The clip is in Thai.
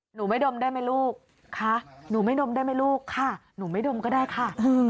หนูไม่ดมได้ไหมลูกคะหนูไม่ดมได้ไหมลูกค่ะหนูไม่ดมก็ได้ค่ะ